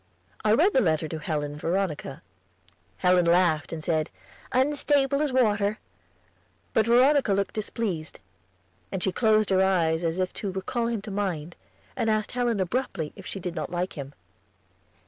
I read the letter to Helen and Veronica. Helen laughed, and said "Unstable as water"; but Veronica looked displeased; she closed her eyes as if to recall him to mind, and asked Helen abruptly if she did not like him.